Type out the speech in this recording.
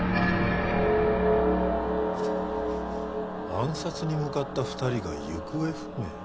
暗殺に向かった２人が行方不明？